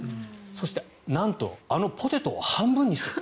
そして、なんとあのポテトを半分にする。